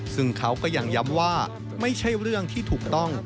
ซึ่งเขาก็ยังย้ำว่าไม่ใช่เรื่องที่ถูกต้อง